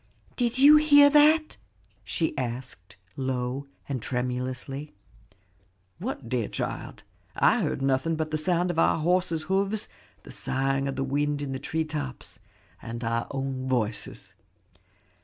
"Did you hear that?" she asked low and tremulously. "What, dear child? I heard nothing but the sound of our horses' hoofs, the sighing of the wind in the tree tops, and our own voices."